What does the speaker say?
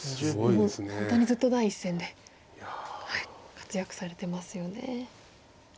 もう本当にずっと第一線で活躍されてますよね。